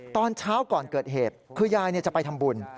ตอนเช้าก่อนเกิดเหตุคือยายจะไปทำบุญ